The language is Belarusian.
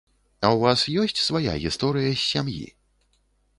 А ў вас ёсць свая гісторыя з сям'і?